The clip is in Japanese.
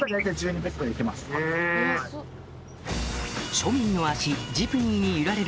庶民の足